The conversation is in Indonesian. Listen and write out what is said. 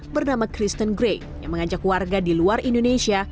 bernama kristen gray yang mengajak warga di luar indonesia